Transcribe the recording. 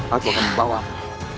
aku akan membawamu